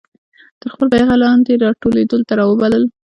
تر خپل بیرغ لاندي را ټولېدلو ته را وبلل.